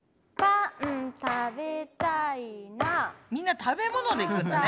みんな食べ物でいくんだね。